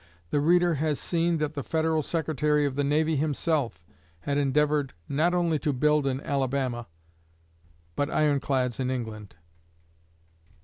The reader has seen that the Federal Secretary of the Navy himself had endeavored not only to build an Alabama, but ironclads in England.